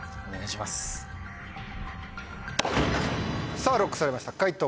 さぁＬＯＣＫされました解答